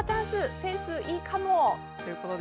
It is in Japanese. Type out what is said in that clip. センス、いいかもということで。